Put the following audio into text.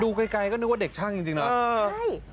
ไกลก็นึกว่าเด็กช่างจริงนะ